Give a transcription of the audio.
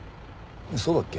そうだっけ？